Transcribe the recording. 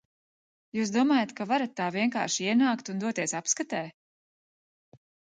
Jūs domājat, ka varat tā vienkārši ienākt un doties apskatē?